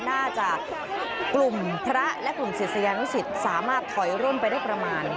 น่าจะกลุ่มพระและกลุ่มศิษยานุสิตสามารถถอยร่นไปได้ประมาณ